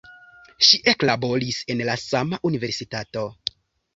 Ŝi eklaboris en la sama universitato.